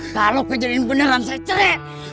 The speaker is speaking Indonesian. kalau kejadian beneran saya cerek